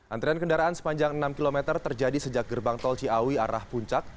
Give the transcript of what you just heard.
antrian kendaraan sepanjang enam km terjadi sejak gerbang tol ciawi arah puncak